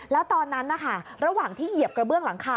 แล้วตอนนั้นนะคะระหว่างที่เหยียบกระเบื้องหลังคา